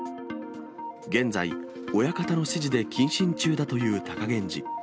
現在、親方の指示で謹慎中だという貴源治。